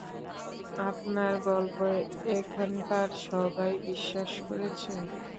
আপনার গল্প এখানকার সবাই বিশ্বাস করেছে?